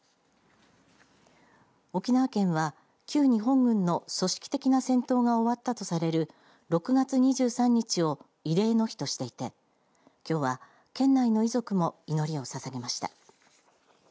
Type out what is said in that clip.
沖縄県は、旧日本軍の組織的な戦闘が終わったとされる６月２３日を慰霊の日としていてきょうは、県内の遺族も祈りをささげました。